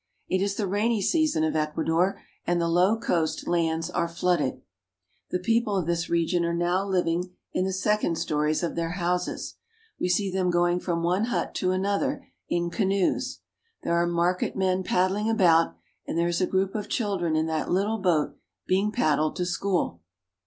It is the rainy season of Ecuador, and the low coast lands are flooded. The people of this region are now living in the second stories of their houses. We see them going from one hut to another in canoes. There are market men paddling about, and there is a group of children in that little boat being paddled to school.